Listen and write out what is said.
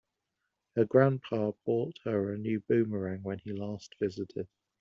Her grandpa bought her a new boomerang when he last visited.